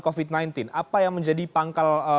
covid sembilan belas apa yang menjadi pangkal